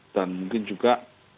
dan mungkin juga